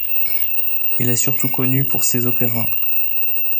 Il est surtout connu pour ses opéras.